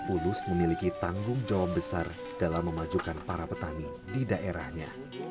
ulus memiliki tanggung jawab besar dalam memajukan para petani di daerahnya